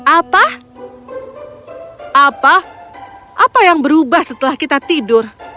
apa apa yang berubah setelah kita tidur